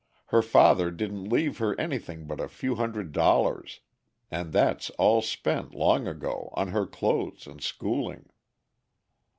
Her father didn't leave her anything but a few hundred dollars, and that's all spent long ago, on her clothes and schooling."